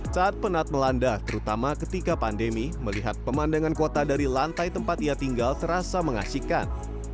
saat penat melanda terutama ketika pandemi melihat pemandangan kota dari lantai tempat ia tinggal terasa mengasihkan